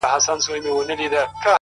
د ټپې په رزم اوس هغه ده پوه سوه